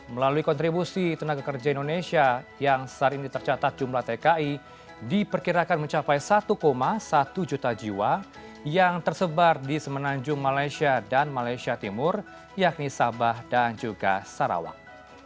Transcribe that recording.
melalui kontribusi tenaga kerja indonesia yang saat ini tercatat jumlah tki diperkirakan mencapai satu satu juta jiwa yang tersebar di semenanjung malaysia dan malaysia timur yakni sabah dan juga sarawang